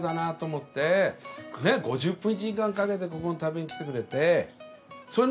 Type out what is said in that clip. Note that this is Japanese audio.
ねっ５０分１時間かけてここに食べに来てくれて。